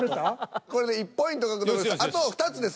これで１ポイント獲得です。